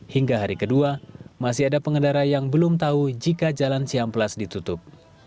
hingga hari kedua masih ada pengendara yang belum tahu jika jalan cihamplas ditutup